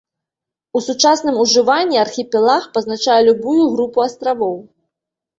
У сучасным ужыванні архіпелаг пазначае любую групу астравоў.